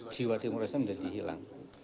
jiwa demokrasi menjadi hilang